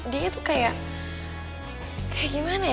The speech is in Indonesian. dia itu kayak gimana ya